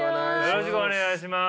よろしくお願いします。